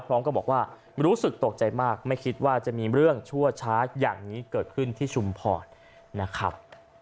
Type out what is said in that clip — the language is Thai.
พร้อมกับบอกว่ารู้สึกตกใจมากไม่คิดว่าจะมีเรื่องชั่วช้าอย่างนี้เกิดขึ้นที่ชุมพรนะครับ